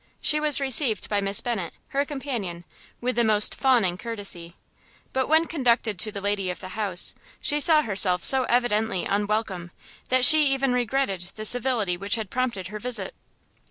She was received by Miss Bennet, her companion, with the most fawning courtesy; but when conducted to the lady of the house, she saw herself so evidently unwelcome, that she even regretted the civility which had prompted her visit.